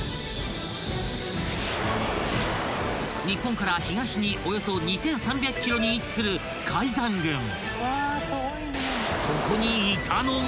［日本から東におよそ２，３００ｋｍに位置する海山群］